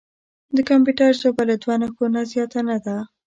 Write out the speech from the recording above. د کمپیوټر ژبه له دوه نښو نه زیاته نه ده.